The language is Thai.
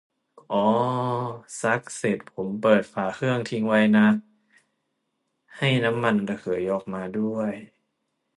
อ้อ ซักเสร็จผมเปิดฝาเครื่องทิ้งไว้นะ ให้น้ำมันระเหยออกมาด้วย